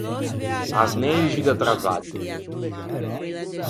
Asneixi da travaggio.